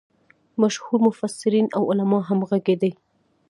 مشهور مفسرین او علما همغږي دي.